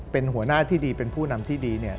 เป็นหัวหน้าที่ดีเป็นผู้นำที่ดีเนี่ย